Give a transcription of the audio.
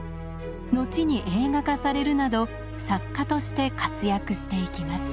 後に映画化されるなど作家として活躍していきます。